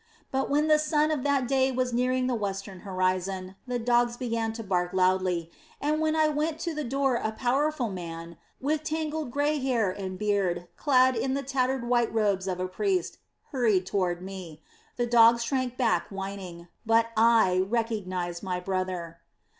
But when the sum of that day was nearing the western horizon, the dogs began to bark loudly, and when I went to the door a powerful man, with tangled grey hair and beard, clad in the tattered white robes of a priest, hurried toward me. The dogs shrank back whining; but I recognized my brother.